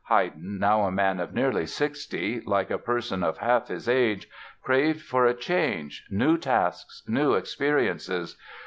Haydn, now a man of nearly 60, like a person of half his age, craved for a change, new tasks, new experiences.